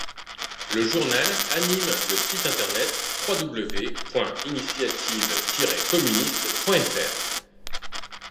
Le journal anime le site internet www.initiative-communiste.fr.